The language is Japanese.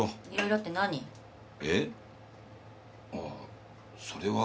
あぁそれは。